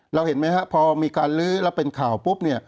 เห็นไหมครับพอมีการลื้อแล้วเป็นข่าวปุ๊บเนี่ย